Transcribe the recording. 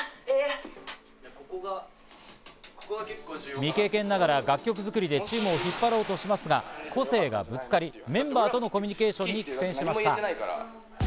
未経験ながら楽曲作りでチームを引っ張ろうとしますが、個性がぶつかり、メンバーとのコミュニケーションに苦戦しました。